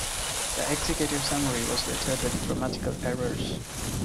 The executive summary was littered with grammatical errors.